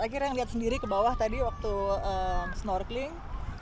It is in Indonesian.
akhirnya lihat sendiri ke bawah tadi waktu snorkeling